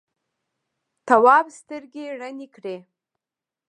تواب سترګې رڼې کړې.